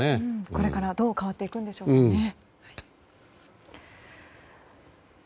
これからどう変わっていくんでしょうかね。